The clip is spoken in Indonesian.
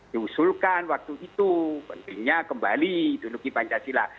diusulkan waktu itu pentingnya kembali di dunuki pancasila